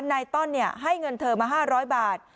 นายต้อนให้เงินเธอมา๕๐๐บาท